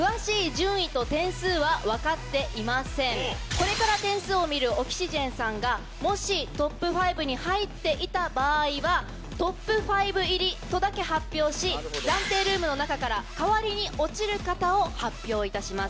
これから点数を見るオキシジェンさんがもしトップ５に入っていた場合はトップ５入りとだけ発表し暫定ルームの中から代わりに落ちる方を発表いたします。